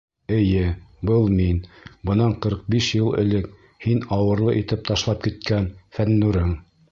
Эйе, был мин, бынан ҡырҡ биш йыл элек һин ауырлы итеп ташлап киткән Фәннүрең.